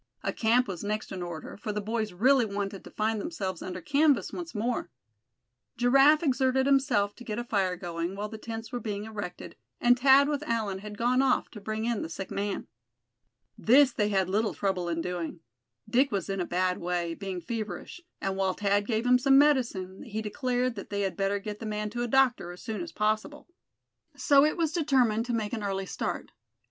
A camp was next in order, for the boys really wanted to find themselves under canvas once more. Giraffe exerted himself to get a fire going, while the tents were being erected, and Thad with Allan had gone off to bring in the sick man. This they had little trouble in doing. Dick was in a bad way, being feverish; and while Thad gave him some medicine, he declared that they had better get the man to a doctor as soon as possible. So it was determined to make an early start.